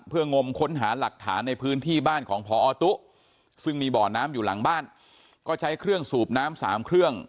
เพื่องมค้นหาหลักฐานในพื้นที่บ้านของพอตุ๊ซึ่งมีบ่อน้ำอยู่หลังบ้านก็ใช้เครื่องสูบน้ำสามเครื่อง